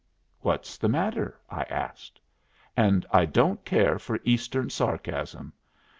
"What's the matter?" I asked. "And I don't care for Eastern sarcasm."